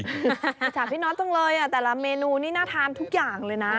อยากถามพี่น็อตจังเลยแต่ละเมนูนี่น่าทานทุกอย่างเลยนะ